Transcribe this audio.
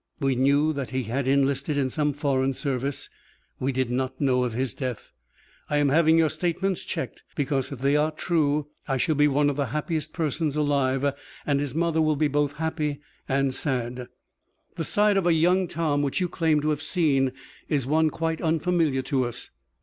We knew that he had enlisted in some foreign service. We did not know of his death. I am having your statements checked, because, if they are true, I shall be one of the happiest persons alive, and his mother will be both happy and sad. The side of young Tom which you claim to have seen is one quite unfamiliar to us.